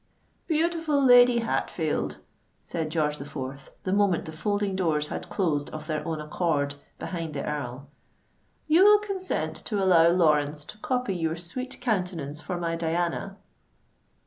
"Beautiful Lady Hatfield," said George the Fourth, the moment the folding doors had closed of their own accord behind the Earl, "you will consent to allow Lawrence to copy your sweet countenance for my Diana?"